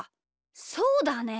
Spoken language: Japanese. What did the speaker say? そうだね！